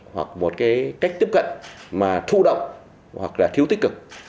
hoặc một cái cách tiếp cận mà thụ động hoặc là thiếu tích cực